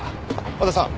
和田さん。